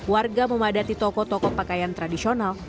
warga memadati toko toko pakaian tradisional